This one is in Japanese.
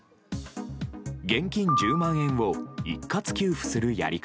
現金１０万円を一括給付するやり方